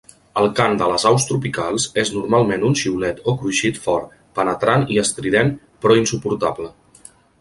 El cant de les aus tropicals és normalment un xiulet o cruixit fort, penetrant i estrident però insuportable.